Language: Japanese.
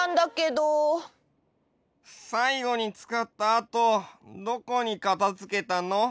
さいごにつかったあとどこにかたづけたの？